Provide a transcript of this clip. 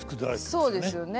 そうですよね。